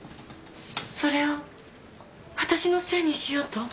それを私のせいにしようと？